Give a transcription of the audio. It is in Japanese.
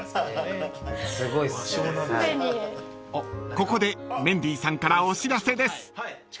［ここでメンディーさんからお知らせです］